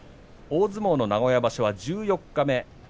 大相撲の名古屋場所は十四日目